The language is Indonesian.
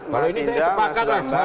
kalau ini saya sepakat lah